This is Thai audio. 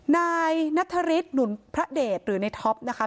นายนัทธริสหนุนพระเดชหรือในท็อปนะคะ